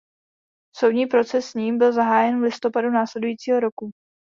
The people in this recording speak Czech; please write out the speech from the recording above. Soudní proces s ním byl zahájen v listopadu následujícího roku.